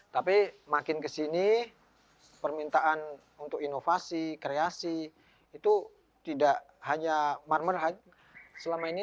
tapi makin kesini permintaan untuk inovasi kreasi itu tidak hanya marmer selama ini